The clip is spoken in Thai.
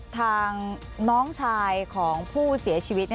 ทางน้องชายของผู้เสียชีวิต